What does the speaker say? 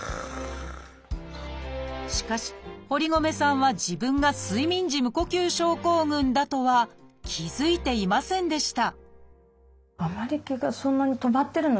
しかし堀米さんは自分が睡眠時無呼吸症候群だとは気付いていませんでした